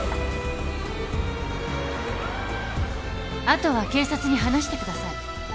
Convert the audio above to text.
あとは警察に話してください。